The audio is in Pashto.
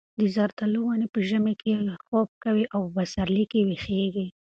د زردالو ونې په ژمي کې خوب کوي او په پسرلي کې ویښېږي.